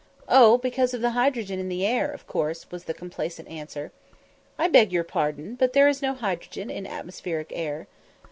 "Oh, because of the hydrogen in the air, of course," was the complacent answer. "I beg your pardon, but there is no hydrogen in atmospheric air."